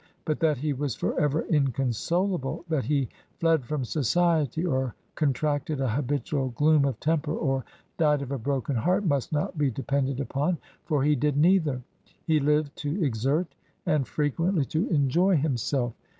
... But that he was forever inconsolable — ^that he fled from society, or contracted a habitual gloom of temper, or died of a broken heart — ^must not be depended upon, for he did neither. He Uved to exert, and frequently to enjoy himself.